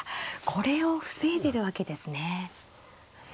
これを防いでるわけですね。